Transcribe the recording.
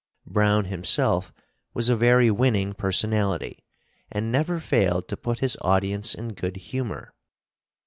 Browne himself was a very winning personality, and never failed to put his audience in good humor.